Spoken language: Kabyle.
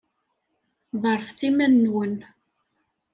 Ḍerrfet iman-nwen.